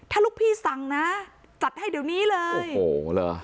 ถ้าลูกพี่สั่งนะจัดให้เดี๋ยวนี้เลยโอ้โหเหรอ